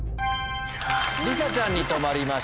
りさちゃんに止まりました。